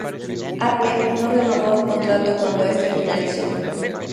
Apple no renovó el contrato cuando este finalizó.